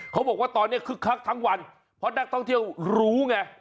เขาบอกว่าตอนนี้คึกคักทั้งวันเพราะนักท่องเที่ยวรู้ไง